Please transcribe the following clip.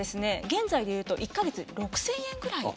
現在で言うと１か月６，０００円くらい。